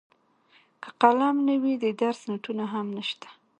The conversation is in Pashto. که قلم نه وي د درس نوټونه هم نشته.